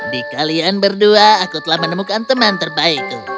di kalian berdua aku telah menemukan teman terbaikku